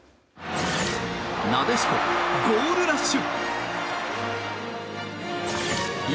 なでしこ、ゴールラッシュ！